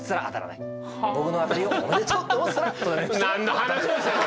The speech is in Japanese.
僕の当たりを「おめでとう」って思ってたら隣の人も当たる。